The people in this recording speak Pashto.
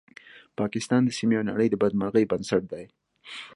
پاکستان د سیمې او نړۍ د بدمرغۍ بنسټ دی